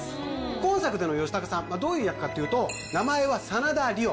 今作での吉高さんどういう役かというと名前は真田梨央